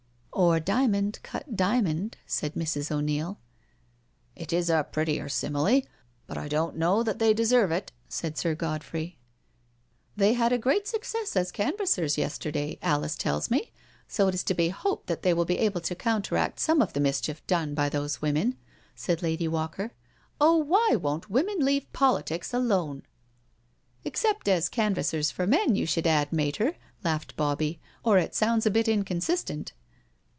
'*" Or diamond cut diamond,*' said Mrs. O'Neil. "It is a prettier simile, but I don't know that they deserve it," said Sir Godfrey. " They had a great success as canvassers yesterday, Alice tells me| so it is to be hoped they will be able to counteract some of the mischief done by these women, '^ said Lady Walker. '* Oh| why won't women leave politics alone I '^*' Except as canvassers for men, you should add, Materi^'^ laughed Bobbiei *' or it sounds a bit inconsis tent."